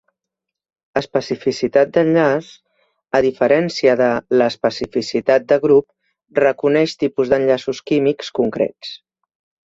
Especificitat d'enllaç, a diferència de l'especificitat de grup, reconeix tipus d'enllaços químics concrets.